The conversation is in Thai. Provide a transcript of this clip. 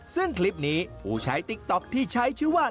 ซึ่งคลิปนี้ผู้ใช้ติ๊กต๊อกที่ใช้ชื่อว่า